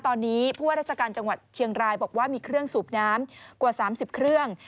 ตอนนี้ผู้ว่าราชการจังหวัดเชียงรายบอกว่ามีเครื่องสูบน้ำกว่า๓๐เครื่อง